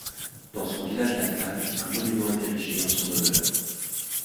Dans son village natal, un monument est érigé en son honneur.